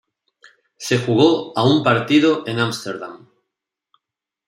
Se jugó a un partido en Amsterdam.